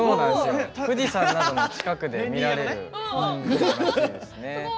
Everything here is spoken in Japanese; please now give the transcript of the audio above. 富士山などの近くで見られる雲なんですね。